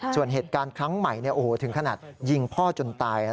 ส่วนเหตุการณ์ครั้งใหม่ถึงขนาดยิงพ่อจนตาย